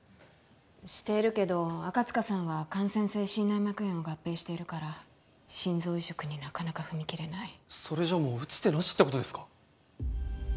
しているけど赤塚さんは感染性心内膜炎を合併しているから心臓移植になかなか踏み切れないそれじゃもう打つ手なしってことですか？